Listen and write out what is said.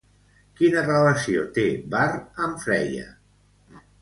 Quina relació té Vár amb Freia?